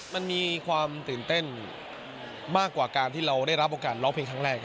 มันมีความตื่นเต้นมากกว่าการที่เราได้รับโอกาสร้องเพลงครั้งแรก